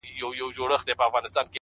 اوس مي د زړه پر تكه سپينه پاڼه،